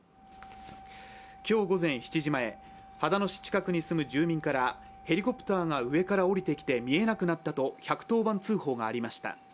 今日午前７時前、秦野市近くに住む住民からヘリコプターが上から降りてきて見えなくなったと１１０番通報がありました。